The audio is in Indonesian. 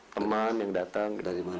teman yang datang